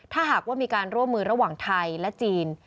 ถ้าหากว่ามีการร่วมมือระหว่างไทยและจีน